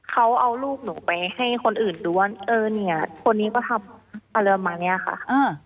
เขาเอาลูกหนูไปให้คนอื่นดูว่าเนี่ยคนนี้ก็ทำมาเนี่ยค่ะ